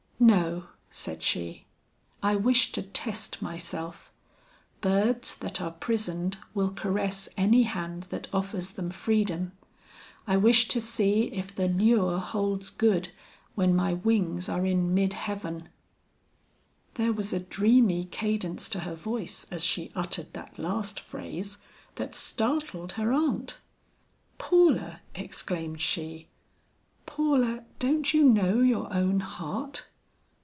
"No," said she, "I wish to test myself. Birds that are prisoned will caress any hand that offers them freedom. I wish to see if the lure holds good when my wings are in mid heaven." There was a dreamy cadence to her voice as she uttered that last phrase, that startled her aunt. "Paula," exclaimed she, "Paula, don't you know your own heart?"